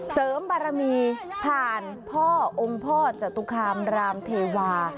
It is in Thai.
เสริมบารมีผ่านพ่อองค์พ่อจตุคามรามเทวา